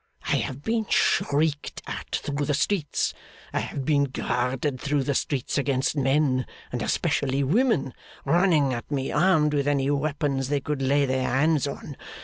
I have been shrieked at through the streets. I have been guarded through the streets against men, and especially women, running at me armed with any weapons they could lay their hands on.